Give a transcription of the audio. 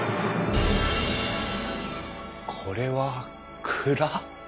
これは蔵？